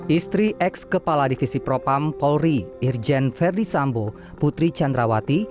istri ex kepala divisi propam polri irjen ferdisambo putri chandrawati